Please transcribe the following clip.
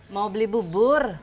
mau beli bubur